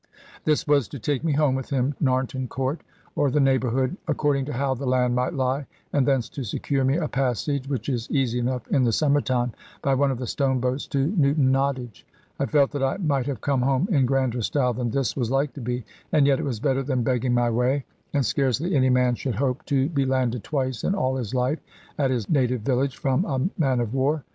This was to take me home with him to Narnton Court, or the neighbourhood, according to how the land might lie, and thence to secure me a passage (which is easy enough in the summer time) by one of the stone boats to Newton Nottage. I felt that I might have come home in grander style than this was like to be; and yet it was better than begging my way; and scarcely any man should hope to be landed twice in all his life, at his native village from a man of war.